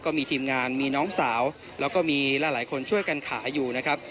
ทีมงานมีน้องสาวแล้วก็มีหลายคนช่วยกันขายอยู่นะครับ